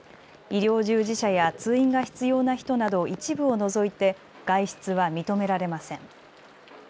医療従事者や通院が必要な人など一部を除いて外出は認められません。